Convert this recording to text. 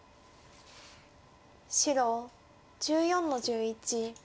白１４の十一。